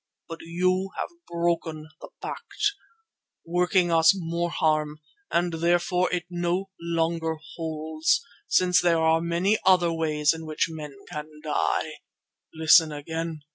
But you have broken the pact, working us more harm, and therefore it no longer holds, since there are many other ways in which men can die. Listen again!